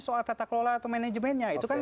soal tata kelola atau manajemennya itu kan